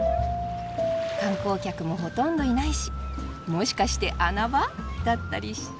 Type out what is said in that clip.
観光客もほとんどいないしもしかして穴場だったりして。